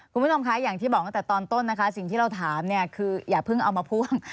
คุณผู้ชมคะอย่างที่บอกตั้งแต่ตอนต้นนะคะสิ่งที่เราถามเนี่ยคืออย่าเพิ่งเอามาพ่วง